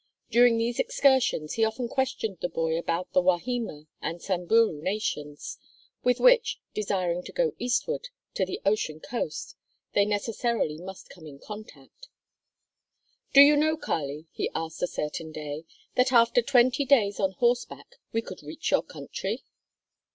During these excursions he often questioned the boy about the Wahima and Samburu nations, with which, desiring to go eastward, to the ocean coast, they necessarily must come in contact. "Do you know, Kali," he asked a certain day, "that after twenty days on horseback we could reach your country?"